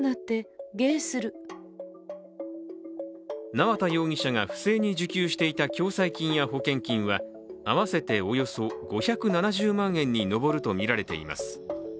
縄田容疑者が不正に受給していた共済金や保険金は合わせておよそ５７０万円に上るとみられています。